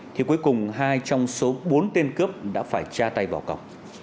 thì cuối cùng hai trong số bốn tên cướp đã phải tra tay vào cổng